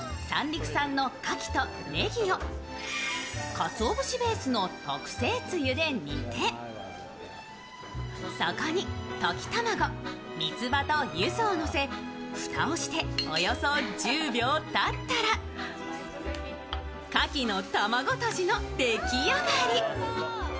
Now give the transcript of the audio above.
かつお節ベースの特製つゆで煮てそこに溶き卵、みつばとゆずをのせ蓋をしておよそ１０秒たったらかきの玉子とじの出来上がり。